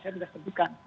saya sudah sebutkan